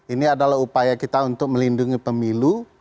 ini adalah upaya kita untuk melindungi pemilu